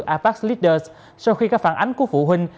apac leaders sau khi các phản ánh của phụ huynh